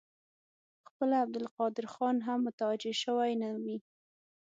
خپله عبدالقادر خان هم متوجه شوی نه وي.